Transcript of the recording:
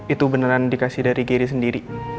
itu beneran dikasih dari diri sendiri